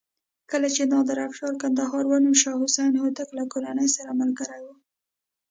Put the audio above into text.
کله چې نادر افشار کندهار ونیو شاه حسین هوتک له کورنۍ سره ملګری و.